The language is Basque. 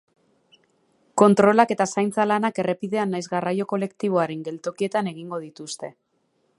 Kontrolak eta zaintza-lanak errepidean nahiz garraio kolektiboaren geltokietan egingo dituzte.